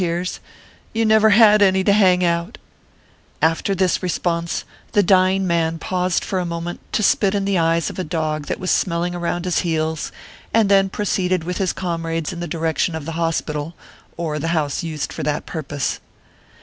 tears ;" you never had any to hang out/ After this response, the dying man paused for a moment to spit in the eyes of a dog that was smelling around his heels, and then proceeded with his com rades in the direction of the hospital, or the house used for that purpose.